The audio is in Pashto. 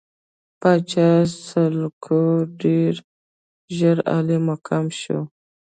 پاچا سلوکو ډېر ژر عالي مقام شو.